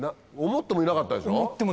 思ってもなかったです。